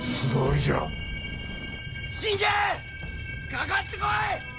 かかってこい！